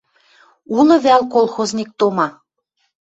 Улы вӓл «Колхозник тома»?